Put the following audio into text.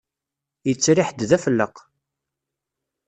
Yettriḥ-d d afelleq.